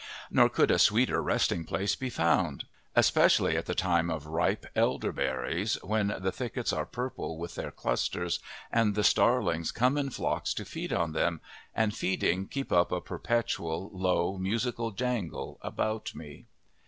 Nor could a sweeter resting place be found, especially at the time of ripe elder berries, when the thickets are purple with their clusters and the starlings come in flocks to feed on them, and feeding keep up a perpetual, low musical jangle about me.